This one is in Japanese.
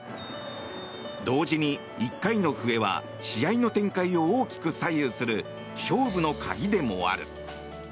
同時に１回の笛は試合の展開を大きく左右する勝負の鍵でもある。